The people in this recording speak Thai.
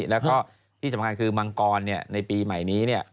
และก็ที่สำคัญคือมังกรเนี่ยในปีใหม่นี้เนี่ย